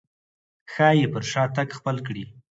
ښايي پر شا تګ خپل کړي.